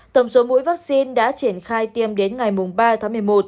tổng số mũi vaccine đã triển khai tiêm đến ngày ba tháng một mươi một